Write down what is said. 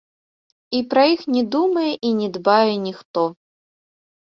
І пра іх не думае і не дбае ніхто.